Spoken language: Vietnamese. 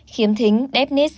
khiếm thính deafness